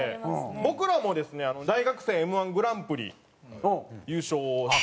僕らもですね大学生Ｍ−１グランプリ優勝して。